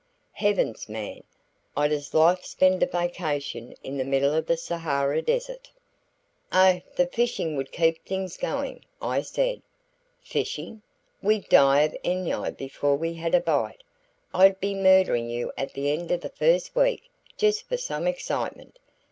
"Heavens, man! I'd as lief spend a vacation in the middle of the Sahara Desert." "Oh, the fishing would keep things going," I said. "Fishing! We'd die of ennui before we had a bite. I'd be murdering you at the end of the first week just for some excitement.